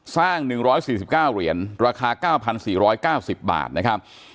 สร้างหนึ่งร้อยสี่สิบเก้าเหรียญราคาเก้าพันสี่ร้อยเก้าสิบบาทนะครับ